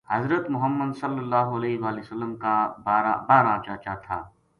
حضرت محمد ﷺ کا بارہ چاچا تھا۔